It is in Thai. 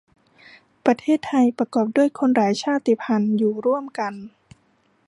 ประเทศไทย ประกอบด้วยคนหลายชาติพันธุ์อยู่ร่วมกัน